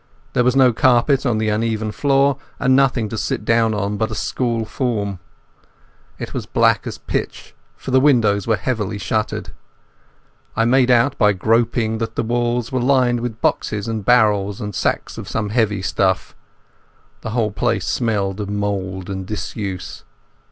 There was no carpet on the uneven floor, and nothing to sit down on but a school form. It was black as pitch, for the windows were heavily shuttered. I made out by groping that the walls were lined with boxes and barrels and sacks of some heavy stuff. The whole place smelt of mould and disuse.